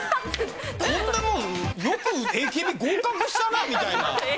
こんなもん、よくＡＫＢ合格したなみたいな。